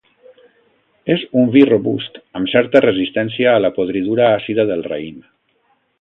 És un vi robust amb certa resistència a la podridura àcida del raïm.